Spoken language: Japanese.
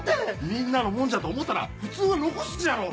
みんなのもんじゃと思うたら普通は残すじゃろ！